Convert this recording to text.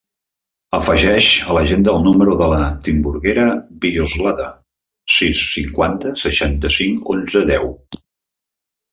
Afegeix a l'agenda el número de la Timburguera Villoslada: sis, cinquanta, seixanta-cinc, onze, deu.